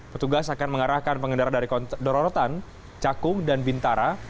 petugas akan mengarahkan pengendara dari dororotan cakung dan bintara